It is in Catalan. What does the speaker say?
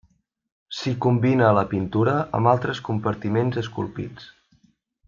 S'hi combina la pintura amb altres compartiments esculpits.